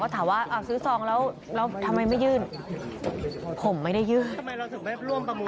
ทำไมเราถึงไม่ร่วมประมูลต่อ